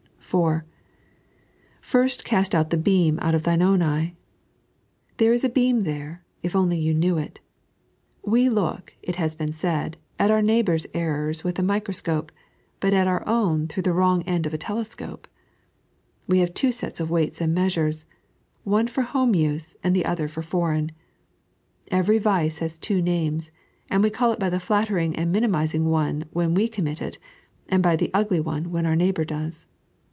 (4) Firtt eaat out the beam out 0/ thine oten eye. There is a beam there, if you only knew it. We look, it has been said, at our neighbour's errors with a microscope, but at our own through the wrong end of a telescope. We have two sets of weights and measures — one for home use, and the other for foreign. Every vice has two names ; and we call it by the flatt«ring and minimising one when we commit it, and by the ugly one when our neighbour does.